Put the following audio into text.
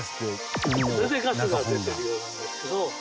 それでガスが出てるようなんですけど。